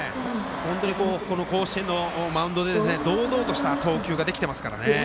本当にこの甲子園のマウンドで堂々とした投球ができていますからね。